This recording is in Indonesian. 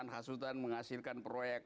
hasutan menghasilkan proyek